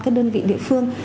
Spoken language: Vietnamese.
các đơn vị địa phương